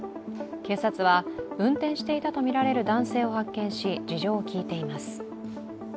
警察は運転していたとみられる男性を発見し、事情を聴いています。